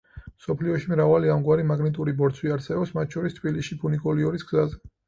მსოფლიოში მრავალი ამგვარი მაგნიტური ბორცვი არსებობს მათ შორის თბილისში ფუნიკულიორის გზაზე.